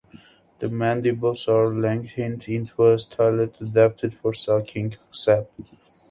The mandibles are lengthened into a stylet adapted for sucking sap.